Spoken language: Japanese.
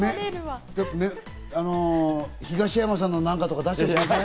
東山さんの何かとか出してません？